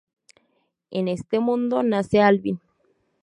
En este mundo nace Alvin.